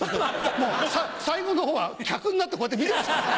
もう最後の方は客になってこうやって見てました。